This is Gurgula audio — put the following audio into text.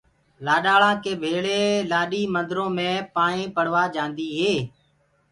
لآڏآݪا ڪي ڀيݪي لآڏي مندرو مي پائينٚ پڙوآ جآندي هي۔